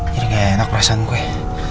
jadi gak enak perasaanku ya